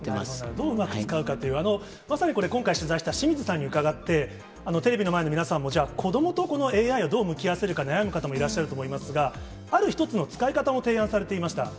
どううまく使うかという、まさにこれ、今回取材した清水さんに伺って、テレビの前の皆さんも、じゃあ、子どもとこのＡＩをどう向き合わせるか悩む方もいらっしゃると思いますが、ある一つの使い方も提案されていました。